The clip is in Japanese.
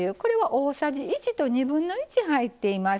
大さじ１と２分の１入っています。